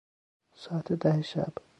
ساعت ده شب